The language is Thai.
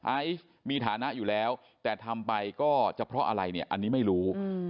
ไอซ์มีฐานะอยู่แล้วแต่ทำไปก็จะเพราะอะไรเนี่ยอันนี้ไม่รู้